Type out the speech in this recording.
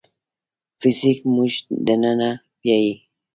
فزیک موږ دننه بیايي.